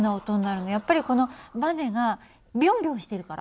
やっぱりこのバネがビョンビョンしてるから？